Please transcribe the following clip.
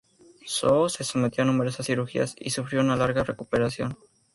Soho se sometió a numerosas cirugías y sufrió una larga recuperación.